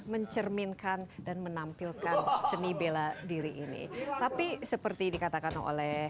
mencerminkan dan menampilkan seni bela diri ini tapi seperti dikatakan oleh